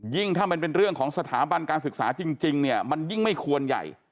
ถ้ามันเป็นเรื่องของสถาบันการศึกษาจริงเนี่ยมันยิ่งไม่ควรใหญ่